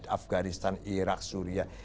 afganistan iraq syria